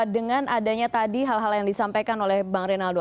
dengan adanya tadi hal hal yang disampaikan oleh bang rinaldo